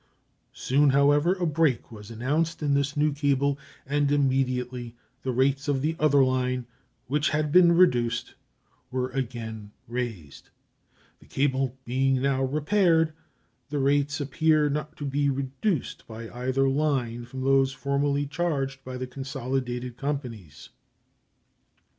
Soon, however, a break was announced in this new cable, and immediately the rates of the other line, which had been reduced, were again raised. This cable being now repaired, the rates appear not to be reduced by either line from those formerly charged by the consolidated companies.